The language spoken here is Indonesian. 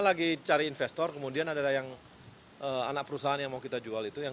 lagi cari investor kemudian ada yang anak perusahaan yang mau kita jual itu yang